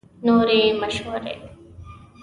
نورې مشورې